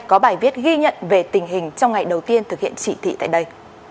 có bài viết ghi nhận về tình hình trong ngày đầu tiên thực hiện trị thị tại đây